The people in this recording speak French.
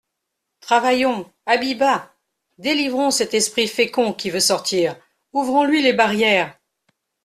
Travaillons ! Habit bas ! Délivrons cet esprit fécond qui veut sortir, ouvrons-lui les barrières.